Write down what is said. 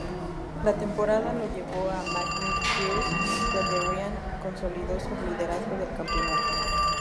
La temporada lo llevó a Magny-Cours donde Ryan consolidó su liderazgo del campeonato.